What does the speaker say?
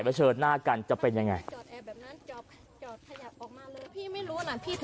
เชิดหน้ากันจะเป็นยังไง